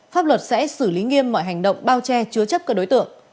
pháp luật sẽ xử lý nghiêm mọi hành động bao che chứa chấp các đối tượng